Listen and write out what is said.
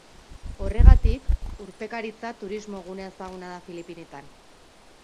Horregatik, urpekaritza turismo-gune ezaguna da Filipinetan.